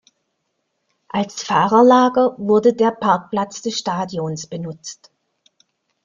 Als Fahrerlager wurde der Parkplatz des Stadions benutzt.